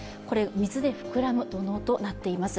水で膨らむ土のうとなっています。